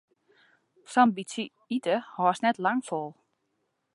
Sa'n bytsje ite hâldst net lang fol.